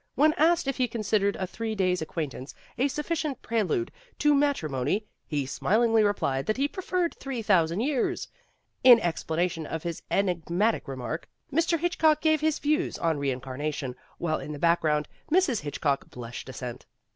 "When asked if he considered a three days' acquaintance a sufficient prelude to mat rimony, he smilingly replied that he preferred three thousand years. In explanation of his enigmatic remark, Mr. Hitchcock gave his views 234 PEGGY RAYMOND'S WAY on reincarnation, while in the background Mrs. Hitchcock blushed assent.